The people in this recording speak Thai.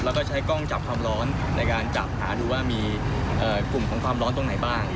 แล้วก็ใช้กล้องจับความร้อนในการจับหาดูว่ามีกลุ่มของความร้อนตรงไหนบ้าง